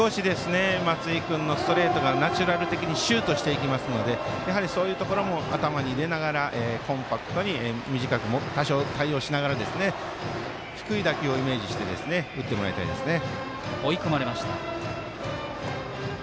松井君のストレートがナチュラル的にシュートしていきますのでやはりそういうところも頭に入れながらコンパクトに短く多少、対応しながら低い打球をイメージして打ってほしいですね。